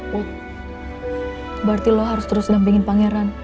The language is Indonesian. bud berarti lo harus terus dampingin pangeran